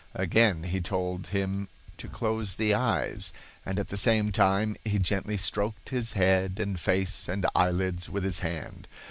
Again he told him to close the eyes, and at the same time he gently stroked his head and face and eyelids with his hand.